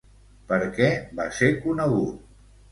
Per què va ser conegut?